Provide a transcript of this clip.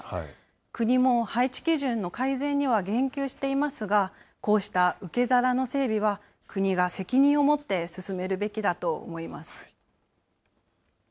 国も配置基準の改善には言及していますが、こうした受け皿の整備は国が責任を持って進めるべきだと思います。